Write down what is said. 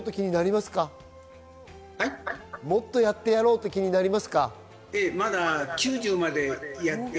もっとやってやろうという気持ちになりますか？